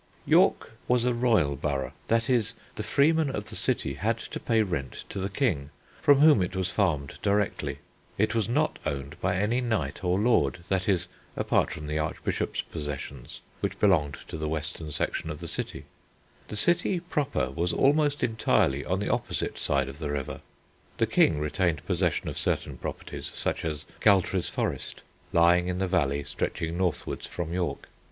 York was a royal borough, that is, the freemen of the city had to pay rent to the king, from whom it was farmed directly. It was not owned by any knight or lord, that is, apart from the Archbishop's possessions, which belonged to the western section of the city; the city proper was almost entirely on the opposite side of the river. The King retained possession of certain properties, such as Galtres Forest, lying in the valley stretching northwards from York.